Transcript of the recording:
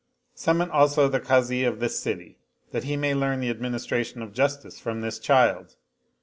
Summon also the Kazi of this city that he may learn the ad ministration of justice from this child.